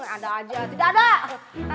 ada aja tidak ada